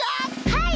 はい！